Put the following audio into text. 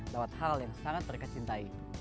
lewat hal yang sangat terkecintai